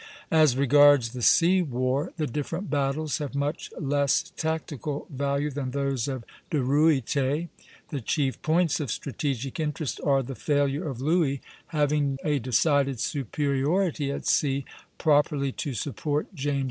As regards the sea war, the different battles have much less tactical value than those of De Ruyter. The chief points of strategic interest are the failure of Louis, having a decided superiority at sea, properly to support James II.